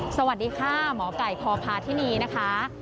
สวัสดีค่ะหมอไก่พพาธินีนะคะ